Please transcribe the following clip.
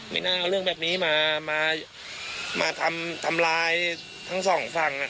ไม่น่าเอาเรื่องแบบนี้มาทำลายทั้งสองฝั่ง